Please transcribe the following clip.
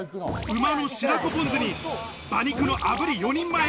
馬の白子ポン酢に、馬肉の炙り４人前。